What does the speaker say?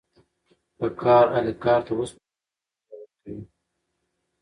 که کار اهل کار ته وسپارل سي نو نتیجه ورکوي.